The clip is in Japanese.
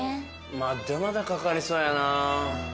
まっだまだかかりそうやな。